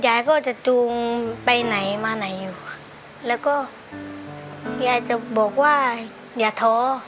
ยายก็จะจูงไปไหนมาไหนอยู่ค่ะแล้วก็ยายจะบอกว่าอย่าท้อ